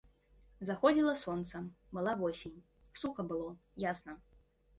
Заходзіла сонца, была восень, суха было, ясна.